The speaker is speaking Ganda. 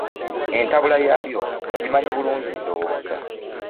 Entabula yaalyo ogimanyi bulungi ndowooza.